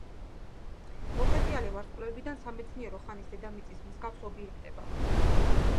მოხეტიალე ვარსკვლავებიდან სამეცნიერო ხანის დედამიწის მსგავს ობიექტებამდე.